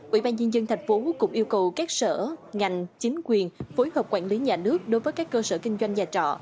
ủy ban nhân dân tp hcm cũng yêu cầu các sở ngành chính quyền phối hợp quản lý nhà nước đối với các cơ sở kinh doanh nhà trọ